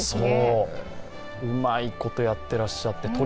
うまいことやってらっしゃって。